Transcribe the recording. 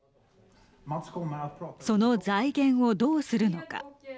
その財源をどうするのか。